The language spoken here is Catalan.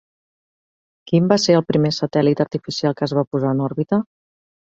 Quin va ser el primer satèl·lit artificial que es va posar en òrbita?